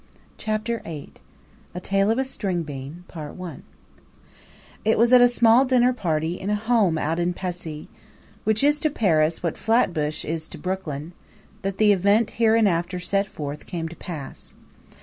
Chapter VIII A Tale of a String bean It was at a small dinner party in a home out in Passy which is to Paris what Flatbush is to Brooklyn that the event hereinafter set forth came to pass.